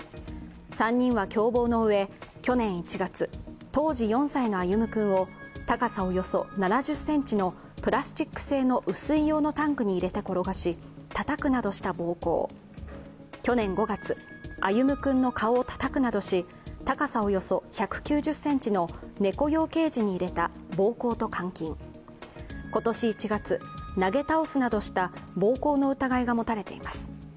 ３人は共謀のうえ、去年１月、当時４歳の歩夢君を高さおよそ７０ｃｍのプラスチック製の雨水用のタンクに入れて転がしたたくなどした暴行、去年５月、歩夢君の顔をたたくなどし高さおよそ１９０ｃｍの猫用ケージに入れた暴行と監禁、今年１月、投げ倒すなどした暴行の疑いが持たれています。